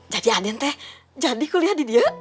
jadi aden teh jadi kuliah di dia